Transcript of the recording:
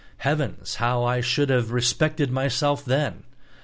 Heavens, how I should have respected myself, then.